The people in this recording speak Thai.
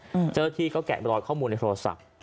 อืมเจ้าที่ก็แกะไปรอดข้อมูลในโทรศัพท์ครับ